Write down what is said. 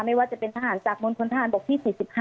ไม่ว่าจะเป็นทหารจากมณฑนทหารบกที่๔๕